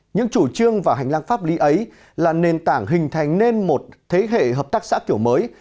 những chủ trương và hành lang pháp lý ấy là nền tảng hình thành nên một thế hệ hợp tác xã kiểu mới